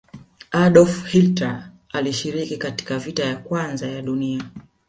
hdolf Hilter alishiriki katika vita ya kwanza ya dunia